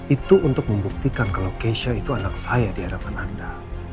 itu untuk membuktikan kalau keisha itu anak saya di hadapan anda